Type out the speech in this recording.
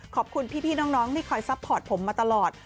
ขอบคุณพี่น้องที่คอยซัพพอร์ตผมมาตลอด